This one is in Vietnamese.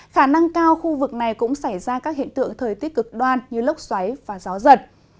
khả năng cao khu vực này cũng xảy ra các hiện tượng thời tiết cực đoan như lốc xoáy và gió giật